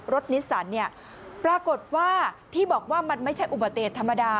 นิสสันเนี่ยปรากฏว่าที่บอกว่ามันไม่ใช่อุบัติเหตุธรรมดา